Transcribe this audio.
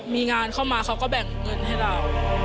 มีงานเข้ามาเขาก็แบ่งเงินให้เรา